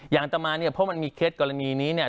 อย่างต่อมาเนี่ยเพราะมันมีเคล็ดกรณีนี้เนี่ย